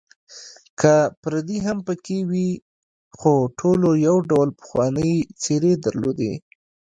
که پردي هم پکې وې، خو ټولو یو ډول پخوانۍ څېرې درلودې.